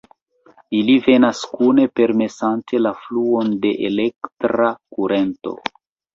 Ili venas kune permesante la fluon de elektra kurento.